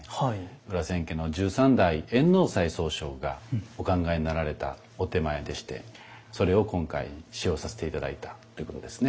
裏千家の十三代円能斎宗匠がお考えになられたお点前でしてそれを今回使用させて頂いたということですね。